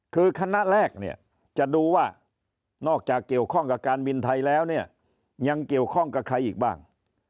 คือคณะแรกเนี่ยจะดูว่านอกจากเกี่ยวข้องกับการบินไทยแล้วเนี่ยยังเกี่ยวข้องกับใครอีกบ้าง